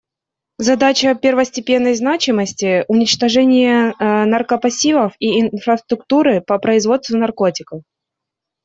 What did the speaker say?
Задача первостепенной значимости — уничтожение наркопосевов и инфраструктуры по производству наркотиков.